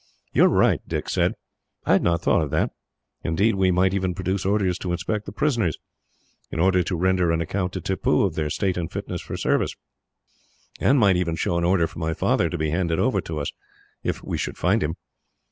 "You are right," Dick said. "I had not thought of that. Indeed, we might even produce orders to inspect the prisoners, in order to render an account to Tippoo of their state and fitness for service; and might even show an order for my father to be handed over to us, if we should find him.